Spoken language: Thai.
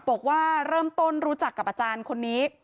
บอกว่าเริ่มต้นรู้จักกับอาจารย์คนนี้